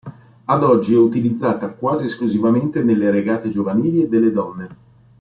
Ad oggi è utilizzata quasi esclusivamente nelle regate giovanili e delle donne.